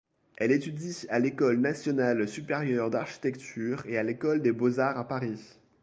Elle étudie à l'École nationale supérieure d'architecture et à l'École des Beaux-Arts à Paris.